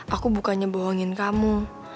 aku bukannya bohongin kamu